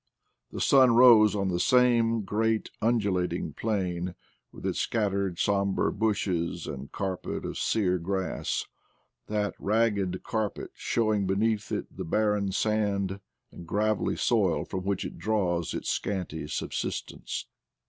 The sun rose on the same great undulating plain, with its scat tered somber bushes and carpet of sere grass — that ragged carpet showing beneath it the barren sand and gravelly soil from which it draws its scanty subsistence.